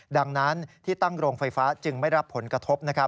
ดังนั้นที่ตั้งโรงไฟฟ้าจึงไม่รับผลกระทบ